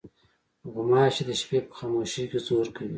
غوماشې د شپې په خاموشۍ کې زور کوي.